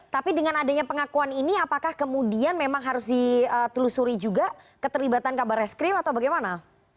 tapi dengan adanya pengakuan ini apakah kemudian memang harus ditelusuri juga keterlibatan kabar reskrim atau bagaimana